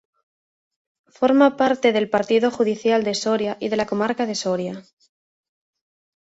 Forma parte del partido judicial de Soria y de la comarca de Soria.